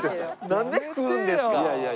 なんで食うんですか？